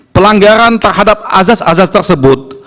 pelanggaran terhadap azas azas tersebut